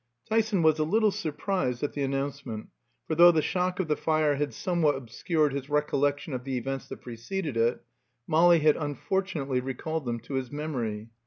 Tyson was a little surprised at the announcement; for though the shock of the fire had somewhat obscured his recollection of the events that preceded it, Molly had unfortunately recalled them to his memory.